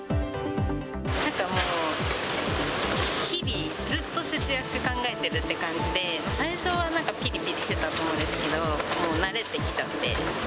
なんかもう、日々、ずっと節約考えてるって感じで、最初はなんかぴりぴりしてたと思うんですけど、もう慣れてきちゃって。